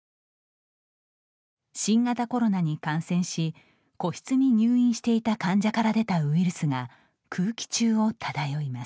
新型コロナに感染し個室に入院していた患者から出たウイルスが空気中を漂います。